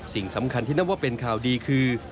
สิ่งสำคัญที่นับว่าเป็นข่าวดีคือ